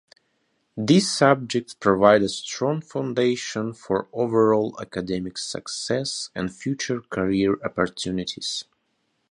These subjects provide a strong foundation for overall academic success and future career opportunities.